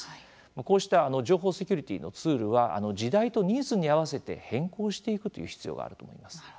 こうした情報セキュリティーのツールは、時代とニーズに合わせて変更していくという必要があると思います。